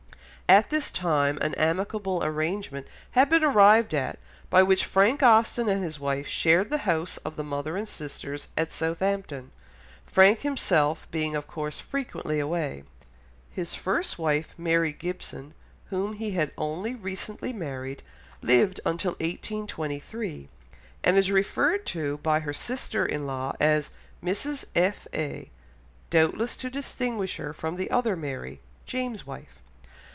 At this time an amicable arrangement had been arrived at, by which Frank Austen and his wife shared the house of the mother and sisters at Southampton, Frank himself being of course frequently away. His first wife, Mary Gibson, whom he had only recently married, lived until 1823; and is referred to by her sister in law as "Mrs. F. A.," doubtless to distinguish her from the other Mary, James's wife.